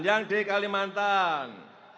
yang di kalimantan